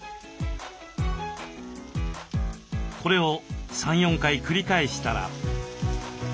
これを３４回繰り返したら。